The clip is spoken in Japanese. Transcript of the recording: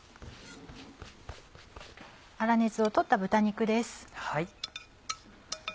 粗熱を取った豚肉です。